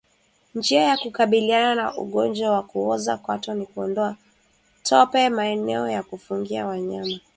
Njia ya kukabiliana na ugonjwa wa kuoza kwato ni kuondoa tope maeneo ya kufungia wanyama